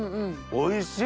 おいしい？